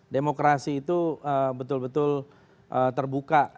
demokrasi itu betul betul terbuka